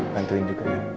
bantuin juga ya